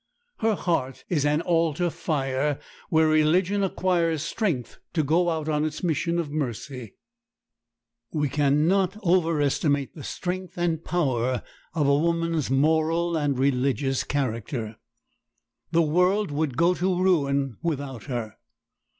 Her heart is an altar fire, where religion acquires strength to go out on its mission of mercy. We can not overestimate the strength and power of woman's moral and religious character. The world would go to ruin without her.